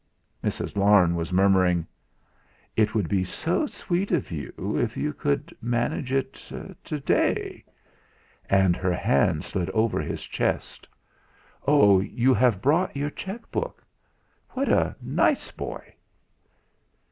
Mrs. Larne was murmuring: "It would be so sweet of you if you could manage it today"; and her hand slid over his chest. "Oh! You have brought your cheque book what a nice boy!"